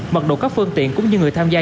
mật độ các phương tiện cũng như người tham gia